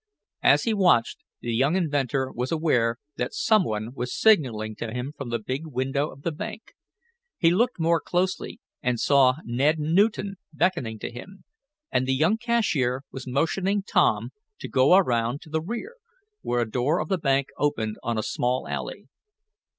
As he watched, the young inventor was aware that some was signaling to him from the big window of the bank. He looked more closely and saw Ned Newton beckoning to him, and the young cashier was motioning Tom to go around to the rear, where a door of the bank opened on a small alley.